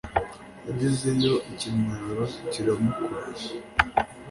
agezeyo ikimwaro kiramukora